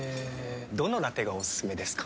どのラテがおすすめですか？